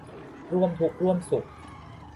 ร่วมทุกข์ร่วมสุข